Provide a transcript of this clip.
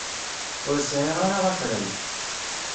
Ur sɛiɣ ara afran.